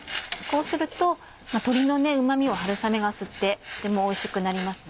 こうすると鶏のうま味を春雨が吸ってとてもおいしくなります。